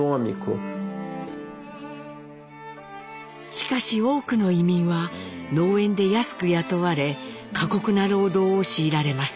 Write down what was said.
しかし多くの移民は農園で安く雇われ過酷な労働を強いられます。